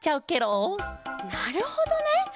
なるほどね！